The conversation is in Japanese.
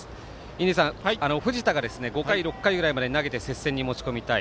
印出さん、藤田が５回、６回ぐらいまで投げて接戦に持ち込みたい。